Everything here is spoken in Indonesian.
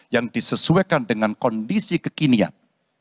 yang disesuaikan dengan kondisi kekinian